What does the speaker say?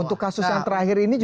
untuk kasus yang terakhir ini